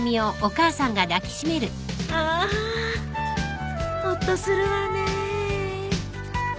あほっとするわね。